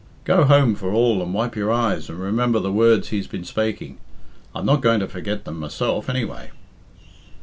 Go home for all and wipe your eyes, and remember the words he's been spaking. I'm not going to forget them myself, anyway."